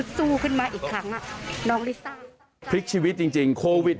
สู้ขึ้นมาอีกครั้งอ่ะน้องลิซ่าพลิกชีวิตจริงจริงโควิด